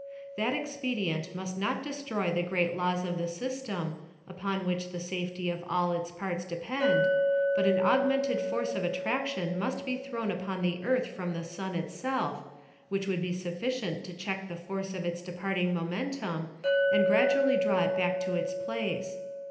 That expedient must not destroy the great laws of the system, upon which the safety of all its parts depend, but an augmented force of attraction nuist be thrown upon the earth from the sun itself, which would be suflicient to check tile force of its departing momentum, and gra dually draw it back to its place.